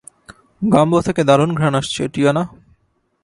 গাম্বো থেকে দারুণ ঘ্রাণ আসছে, টিয়ানা।